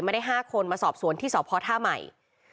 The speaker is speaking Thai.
มาได้๕คนมาสอบสวนที่สอบพอร์ตท่าใหม่